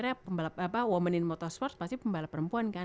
orang kan mikirnya women in motorsport pasti pembalap perempuan kan